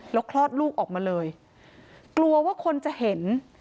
แล้วคลอดลูกออกมาเลยกลัวว่าคนจะเห็น